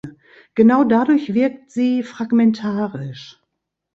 Genau dadurch wirkt sie fragmentarisch.